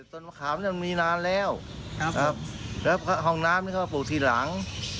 ต้นมะขามมีนานแล้วห้องน้ำก็ปลูกทีหลัง